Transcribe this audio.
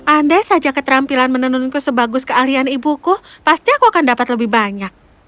andai saja keterampilan menenunku sebagus keahlian ibuku pasti aku akan dapat lebih banyak